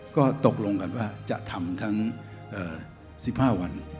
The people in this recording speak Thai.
ก็ตกลงกันว่าจะทำทั้ง๑๕วัน